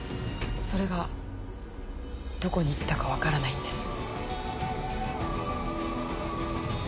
それがどこに行ったか分からないんです。